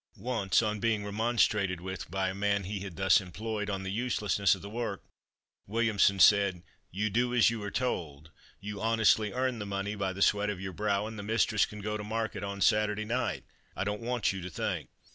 Once, on being remonstrated with by a man he had thus employed, on the uselessness of the work, Williamson said, "You do as you are told you honestly earn the money by the sweat of your brow, and the mistress can go to market on Saturday night I don't want you to think."